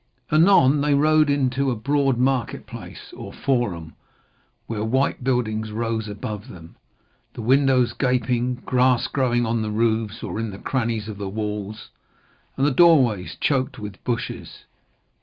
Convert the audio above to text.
Anon they rode into a broad market place or forum, where white buildings rose above them, the windows gaping, grass growing on the roofs or in the crannies of the walls, and the doorways choked with bushes.